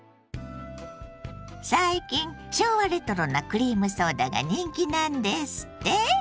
最近昭和レトロなクリームソーダが人気なんですって？